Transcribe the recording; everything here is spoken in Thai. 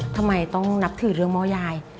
ทำไมต้องนับถือเรื่องหม้อยาย